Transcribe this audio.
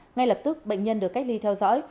ngay lập tức bệnh nhân được cách ly theo dõi